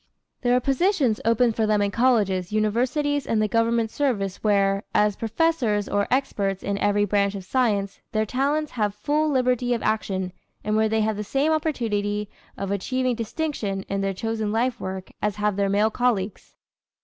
There are positions open for them in colleges, universities and the government service where, as professors or experts in every branch of science, their talents have full liberty of action and where they have the same opportunity of achieving distinction in their chosen life work as have their male colleagues.